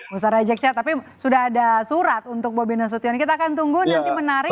musara jeksa tapi sudah ada surat untuk bobi nasutioni kita akan tunggu nanti menarik